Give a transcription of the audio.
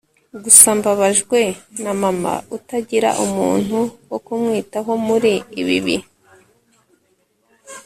gusa mbabajwe na mama utagira umuntu wo kumwitaho muri ibi bihe